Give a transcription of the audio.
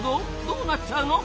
どうなっちゃうの？